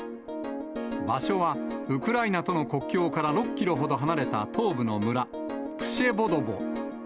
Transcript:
場所は、ウクライナとの国境から６キロほど離れた東部の村、プシェヴォドヴォ。